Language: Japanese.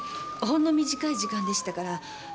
ほんの短い時間でしたから。